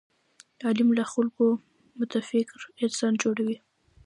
علم له خلکو متفکر انسانان جوړوي.